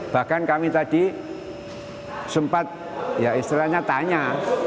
bahkan kami tadi sempat ya istilahnya tanya